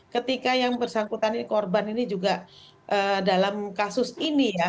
ketika yang bersangkutan ini korban ini juga dalam kasus ini ya